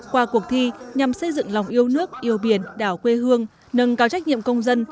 qua cuộc thi nhằm xây dựng lòng yêu nước yêu biển đảo quê hương nâng cao trách nhiệm công dân